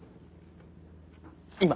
今？